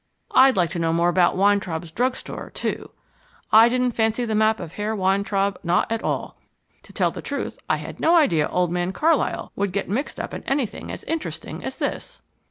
I'd like to know more about Weintraub's drug store, too. I didn't fancy the map of Herr Weintraub, not at all. To tell the truth, I had no idea old man Carlyle would get mixed up in anything as interesting as this."